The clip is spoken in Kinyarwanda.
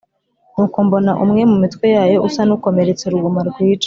Nuko mbona umwe mu mitwe yayo usa n’ukomeretse uruguma rwica